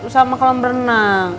sama kalau berenang